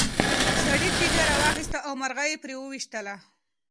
سړي تیږه راواخیسته او مرغۍ یې پرې وویشتله.